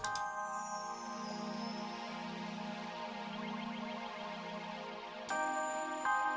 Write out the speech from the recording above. kalo diambil semua